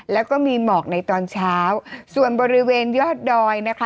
แล้วก็มีหมอกในตอนเช้าส่วนบริเวณยอดดอยนะคะ